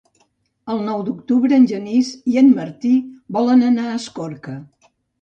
El nou d'octubre en Genís i en Martí volen anar a Escorca.